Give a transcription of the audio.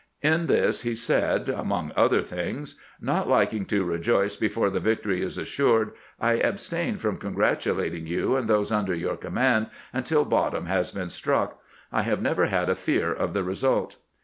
In this he said, among other things :" Not liking to rejoice before the victory is assured, I abstain from congratulating you and those under your command until bottom has been struck. I have never had a fear of the result."